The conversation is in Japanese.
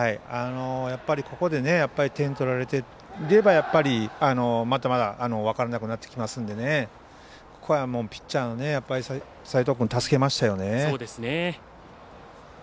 ここで点を取られていればまだまだ分からなくなってきますのでここはピッチャーの齋藤君を助けましたよね。